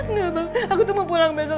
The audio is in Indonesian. enggak bang aku tuh mau pulang besok